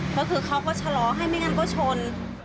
ก็คือเขาก็ชะลอให้ไม่งั้นก็ชน